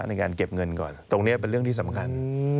ในการเก็บเงินก่อนตรงนี้เป็นเรื่องที่สำคัญ